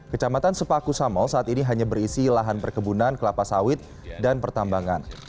kecamatan sepaku samol saat ini hanya berisi lahan perkebunan kelapa sawit dan pertambangan